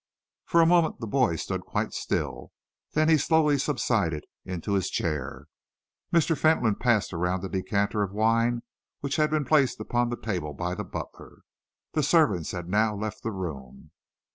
For a moment the boy stood quite still, then he slowly subsided into his chair. Mr. Fentolin passed around a decanter of wine which had been placed upon the table by the butler. The servants had now left the room.